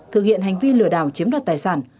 thực hiện hành vi lừa đảo chiếm đoạt tài sản